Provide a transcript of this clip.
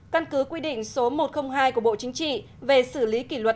căn cứ quy định số một trăm linh hai của bộ chính trị về xử lý kỷ luật